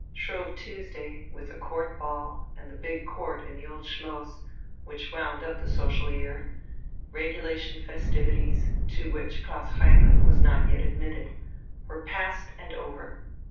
Shrove Tuesday, with the Court Ball and the big Court in the Old Schloss, which wound up the social year regulation festivities, to which Klaus Heinrich was not yet admitted were past and over.